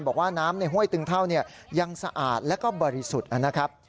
บอกว่าน้ำในห้วยตึงเท่ายังสะอาดและก็บริสุทธิ์นะครับ